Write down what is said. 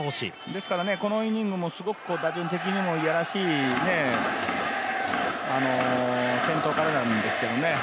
ですからこのイニングも、打順的にも嫌らしい先頭からなんですけどね